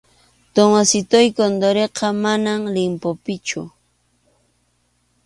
Tomasitoy Condoriqa, manam limbopichu.